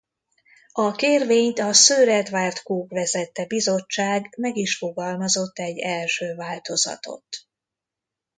A kérvényt a Sir Edward Coke vezette bizottság meg is fogalmazott egy első változatot.